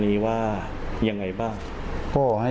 กอถือว่ามาให้กำลังใจ